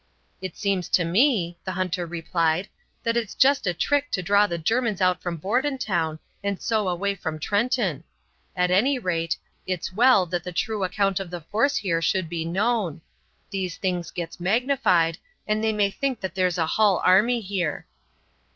"It seems to me," the hunter replied, "that it's jest a trick to draw the Germans out from Bordentown and so away from Trenton. At any rate, it's well that the true account of the force here should be known. These things gets magnified, and they may think that there's a hull army here."